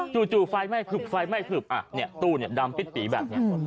จู่ไฟไหม้ผึบตู้เนี่ยดำปิดปีแบบนี้